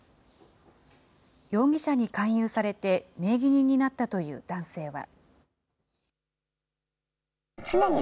容疑者に勧誘されて、名義人になったという男性は。